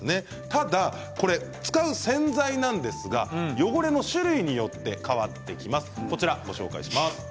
ただ使う洗剤なんですが汚れの種類によって変わってきます。